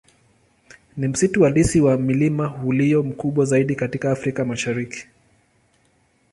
Ni msitu asili wa milimani ulio mkubwa zaidi katika Afrika Mashariki.